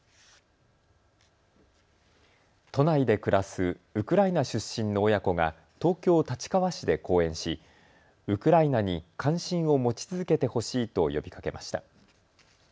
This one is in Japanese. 都内で暮らすウクライナ出身の親子が東京立川市で講演しウクライナに関心を持ち続けてほしいと呼びかけました。